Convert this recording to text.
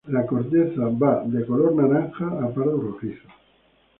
La corteza es de color naranja a pardo rojizo.